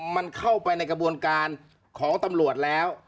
มันเข้าไปในกระบวนการของตำรวจแล้ว